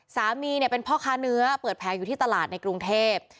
สามีเป็นพ่อค้าเนื้อเปิดแผงอยู่ที่ตลาดในกรุงเทพ